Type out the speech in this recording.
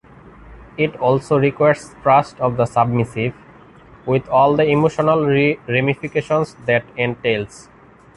It also requires trust of the submissive, with all the emotional ramifications that entails.